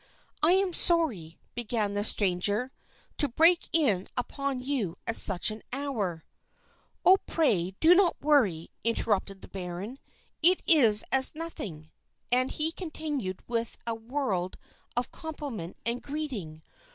"I am sorry," began the stranger, "to break in upon you at such an hour " "Oh, pray, do not worry," interrupted the baron, "it is as nothing," and he continued with a world of compliment and greeting.